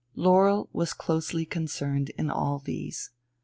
Laurel was closely concerned in all these.